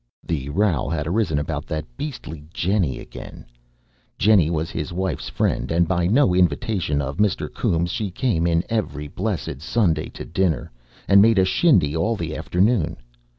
The row had arisen about that beastly Jennie again. Jennie was his wife's friend, and, by no invitation of Mr. Coombes, she came in every blessed Sunday to dinner, and made a shindy all the afternoon.